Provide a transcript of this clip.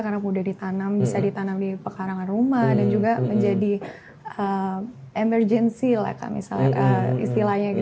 karena mudah ditanam bisa ditanam di pekarangan rumah dan juga menjadi emergency lah kak istilahnya